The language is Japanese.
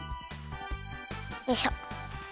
よいしょ。